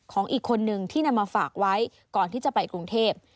ของอีกคนนึงที่นำมาฝากไว้ก่อนที่จะไปกรุงเทพ